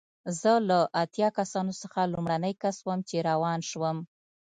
زه له اتیا کسانو څخه لومړنی کس وم چې روان شوم.